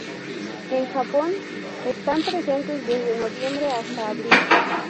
En Japón están presentes desde noviembre hasta abril.